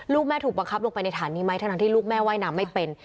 ลูกแม่ถูกบังคับลงไปในฐานนี้ไหมทั้งที่ลูกแม่ว่ายน้ำไม่เป็น